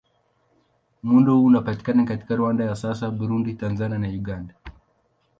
Muundo huo unapatikana katika Rwanda ya sasa, Burundi, Tanzania na Uganda.